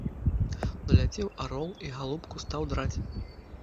Наляцеў арол і галубку стаў драць.